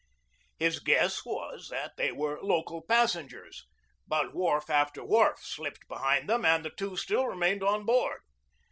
His guess was that they were local passengers, but wharf after wharf slipped behind them and the two still remained on board.